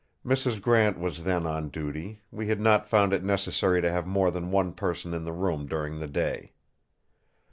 Mrs. Grant was then on duty; we had not found it necessary to have more than one person in the room during the day.